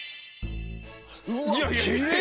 うわっきれい！